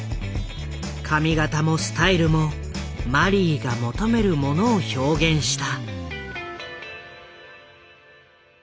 髪形もスタイルもマリーが求めるものを表現した。